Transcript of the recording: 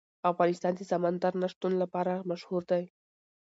افغانستان د سمندر نه شتون لپاره مشهور دی.